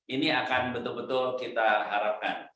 ini akan betul betul kita harapkan